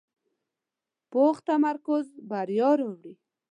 پوخ تمرکز بریا راوړي